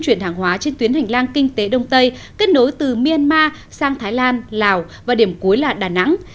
chuyển hàng hóa trên tuyến hành lang kinh tế đông tây kết nối từ myanmar sang thái lan lào và điểm cuối là đà nẵng